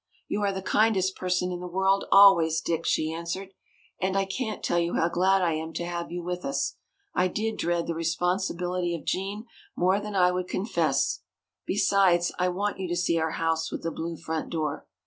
"You are the kindest person in the world always, Dick," she answered. "And I can't tell you how glad I am to have you with us! I did dread the responsibility of Gene more than I would confess. Besides, I want you to see our 'House with the Blue Front Door.'